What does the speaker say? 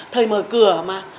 thời mở cửa mà